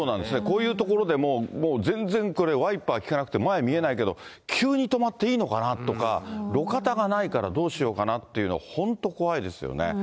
こういう所でもう、全然これ、ワイパーきかなくて前見えないけど、急に止まっていいのかなとか、路肩がないからどうしようかなっていうのは、本当怖いですよね。